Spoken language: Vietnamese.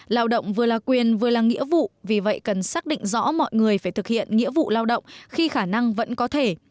lao động vừa là quyền vừa là nghĩa vụ vì vậy cần xác định rõ mọi người phải thực hiện nghĩa vụ lao động khi khả năng vẫn có thể